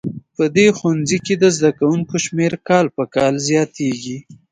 په دې ښوونځي کې د زده کوونکو شمېر کال په کال زیاتیږي